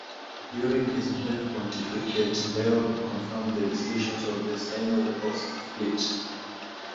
During his brief pontificate, Leo confirmed the decisions of the Synod of Split.